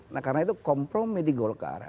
nah karena itu kompromi di golkar